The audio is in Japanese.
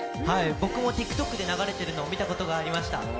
僕もＴｉｋＴｏｋで流れているのを見たことがありました。